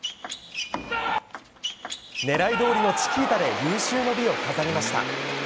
狙いどおりのチキータで有終の美を飾りました。